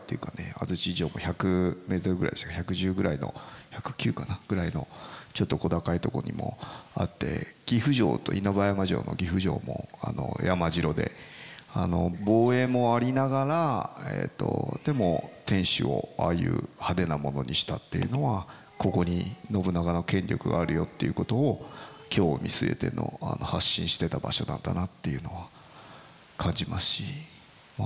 安土城も１００ｍぐらい１１０ぐらいの１０９かな？ぐらいのちょっと小高いとこにもあって岐阜城と稲葉山城の岐阜城も山城で防衛もありながらでも天主をああいう派手なものにしたっていうのはここに信長の権力があるよっていうことを京を見据えての発信してた場所なんだなっていうのは感じますし。